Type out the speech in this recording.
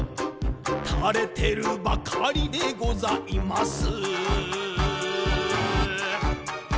「垂れてるばかりでございます。」